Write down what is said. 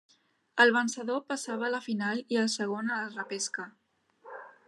El vencedor passava a la final i el segon a la repesca.